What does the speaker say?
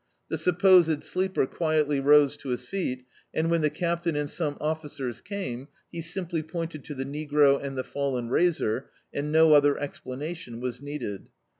The supposed sleeper quietly rose to his feet, and when the captain and some officers came, he simply pointed to the negro and the fallen razor, and no other explanation was needed.